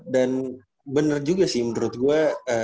dan bener juga sih menurut gue